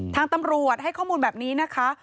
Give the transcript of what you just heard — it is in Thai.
ทางตำรวจให้ข้อมูลแบบนี้นะคะ